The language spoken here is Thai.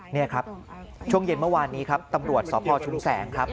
นี่ครับช่วงเย็นเมื่อวานนี้ครับตำรวจสพชุมแสงครับ